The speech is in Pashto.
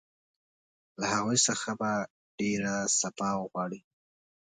له هغوی څخه به ډېر سپاه وغواړم.